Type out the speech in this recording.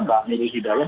mbak miri hidalah